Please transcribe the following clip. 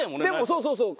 そうそうそう。